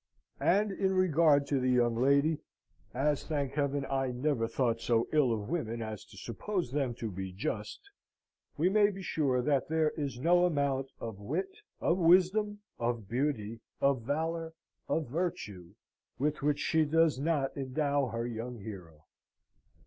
And, in regard to the young lady, as thank Heaven I never thought so ill of women as to suppose them to be just, we may be sure that there is no amount of wit, of wisdom, of beauty, of valour, of virtue with which she does not endow her young hero.